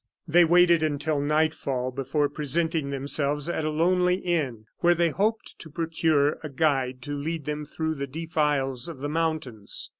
They waited until nightfall before presenting themselves at a lonely inn, where they hoped to procure a guide to lead them through the defiles of the mountains.